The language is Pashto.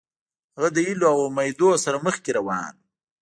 هغه د هیلو او امیدونو سره مخکې روان و.